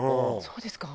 そうですか？